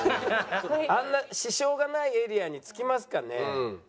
あんな支障がないエリアに付きますかね？